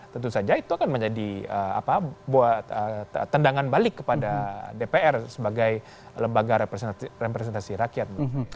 tentu saja itu akan menjadi tendangan balik kepada dpr sebagai lembaga representasi rakyat